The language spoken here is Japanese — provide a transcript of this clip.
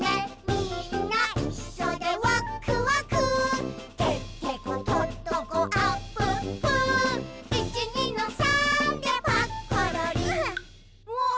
「みんないっしょでワックワク」「てってことっとこあっぷっぷ」「いちにのさーんでパッコロリン」うっ！